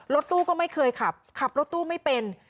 รถตู้ก็ไม่เคยขับขับรถตู้ไม่เป็น